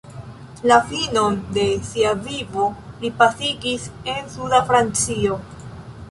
La finon de sia vivo li pasigis en suda Francio.